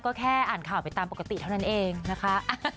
ก็แค่อ่านข่าวไปตามปกติเท่านั้นเองนะคะ